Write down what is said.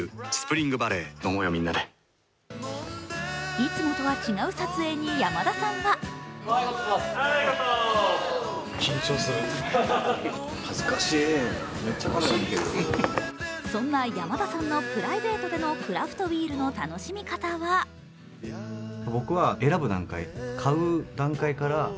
いつもとは違う撮影に山田さんはそんな山田さんのプライベートでのクラフトビールの楽しみ方は無事到着しました！